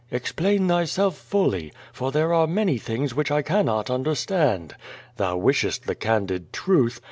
Explain thyself fully, for there are many things which I cannot understand. Thou wishest the candid truth.